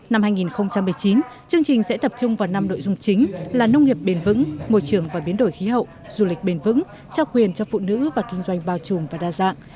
năm hai nghìn một mươi chín chương trình sẽ tập trung vào năm nội dung chính là nông nghiệp bền vững môi trường và biến đổi khí hậu du lịch bền vững trao quyền cho phụ nữ và kinh doanh bao trùm và đa dạng